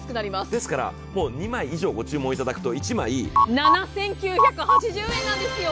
ですから２枚以上ご注文いただくと１枚７９８０円なんですよ。